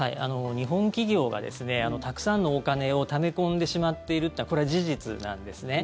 日本企業がたくさんのお金をため込んでしまっているというのは事実なんですね。